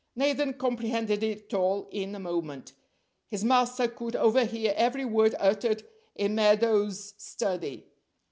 Nathan comprehended it all in a moment. His master could overhear every word uttered in Meadows' study.